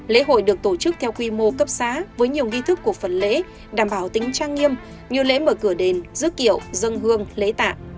lễ hội được tổ chức theo quy mô cấp xã với nhiều nghi thức của phần lễ đảm bảo tính trang nghiêm như lễ mở cửa đền rước kiệu dân hương lễ tạ